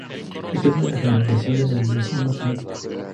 Se trata de una generalización de la inducción matemática.